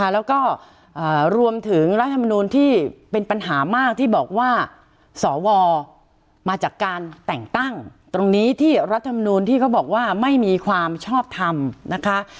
แล้วก็รวมถึงรัฐมนูลที่เป็นปัญหามากที่บอกว่าสวมาจากการแต่งตั้งตรงนี้ที่รัฐมนูลที่เขาบอกว่าไม่มีความชอบทำนะคะ